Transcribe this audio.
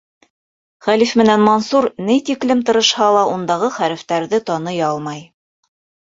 Хәлиф менән Мансур, ни тиклем тырышһа ла, ундағы хәрефтәрҙе таный алмай.